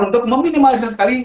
untuk meminimalisir sekali